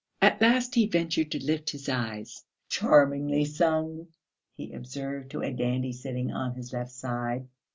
At last he ventured to lift his eyes. "Charmingly sung," he observed to a dandy sitting on his left side.